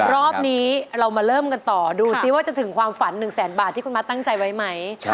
รอบนี้เรามาเริ่มกันต่อดูซิว่าจะถึงความฝัน๑แสนบาทที่คุณมัดตั้งใจไว้ไหม